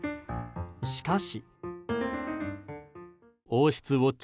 しかし。